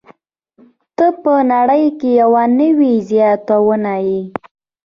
ته په نړۍ کې یوه نوې زياتونه يې.